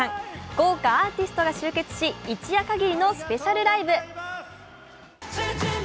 豪華アーティストが集結し一夜限りのスペシャルライブ。